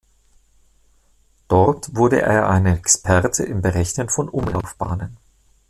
Dort wurde er ein Experte im Berechnen von Umlaufbahnen.